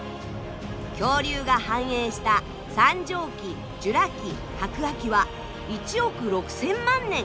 恐竜が繁栄した三畳紀ジュラ紀白亜紀は１億６，０００万年。